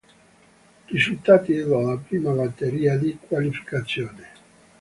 Risultati della prima batteria di qualificazione.